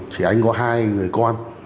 chị ánh có hai người con